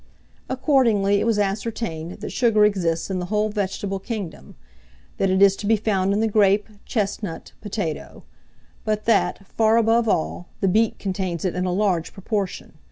Accordingly, it was ascertained that sugar exists in the whole vegetable kingdom; that it is to be found in the grape, chestnut, potato; but that, far above all, the beet contains it in a large proportion.